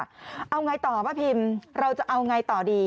เอาอย่างไรต่อป้าพิมเราจะเอาอย่างไรต่อดี